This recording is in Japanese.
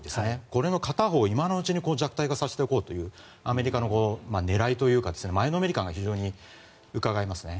この片方を今のうちに弱体化させておこうというアメリカの狙いというか前のめり感が非常にうかがえますね。